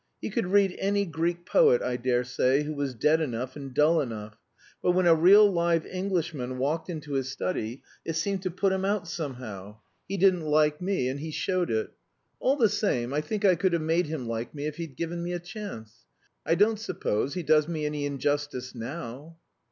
He could read any Greek poet, I daresay, who was dead enough and dull enough; but when a real live Englishman walked into his study, it seemed to put him out somehow. He didn't like me, and he showed it. All the same, I think I could have made him like me if he'd given me a chance. I don't suppose he does me any injustice now."